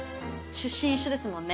出身一緒ですもんね